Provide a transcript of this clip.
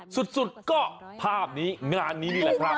สุดก็ภาพนี้งานนี้นี่แหละครับ